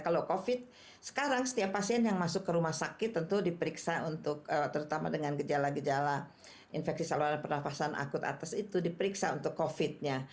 kalau covid sekarang setiap pasien yang masuk ke rumah sakit tentu diperiksa untuk terutama dengan gejala gejala infeksi saluran pernafasan akut atas itu diperiksa untuk covid nya